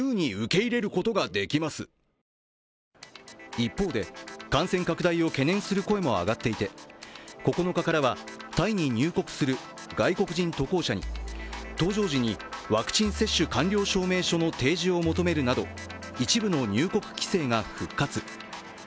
一方で、感染拡大を懸念する声も上がっていて９日からはタイに入国する外国人渡航者に搭乗時にワクチン接種完了の証明書の提示を求めるなど、一部の入国規制が復活。